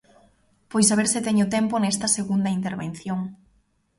Pois a ver se teño tempo nesta segunda intervención.